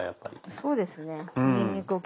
そうですね。